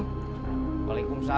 bapak bisa mencoba